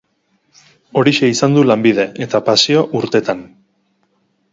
Horixe izan du lanbide, eta pasio urtetan.